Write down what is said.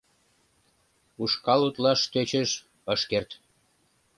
Ушкал утлаш тӧчыш, ыш керт.